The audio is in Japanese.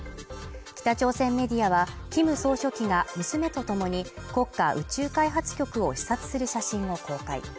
北朝鮮メディアはキム総書記が娘とともに国家宇宙開発局を視察する写真を公開。